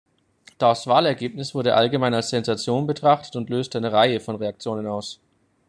Das Wahlergebnis wurde allgemein als Sensation betrachtet und löste eine Reihe von Reaktionen aus.